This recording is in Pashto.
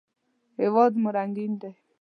هېواد مو رنګین دی